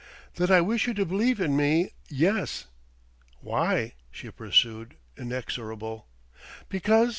"That I wish you to believe in me yes." "Why?" she pursued, inexorable. "Because